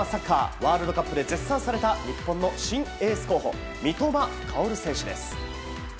ワールドカップで絶賛された日本の新エース候補三笘薫選手です。